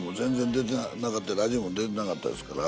ラジオも出てなかったですから。